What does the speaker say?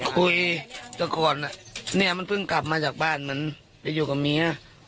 คุยจากก่อนมันพึ่งกลับมาจากบ้านมันอยู่กับเมีย